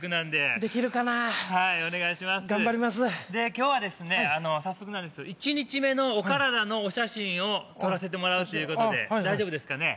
今日は早速なんですけど１日目のお体のお写真を撮らせてもらうということで大丈夫ですかね。